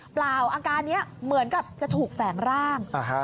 เปล่าอาการนี้เหมือนกับจะถูกแฝงร่าง